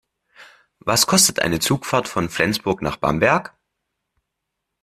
Was kostet eine Zugfahrt von Flensburg nach Bamberg?